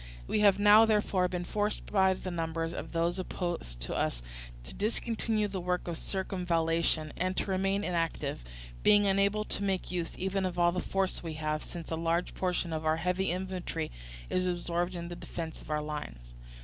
We have now, therefore, been forced by the numbers of those opposed to us to discontinue the work of circumvallation, and to remain inactive; being unable to make use even of all the force we have, since a large portion of our heavy infantry is absorbed in the defence of our lines.